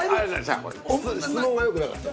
質問がよくなかった。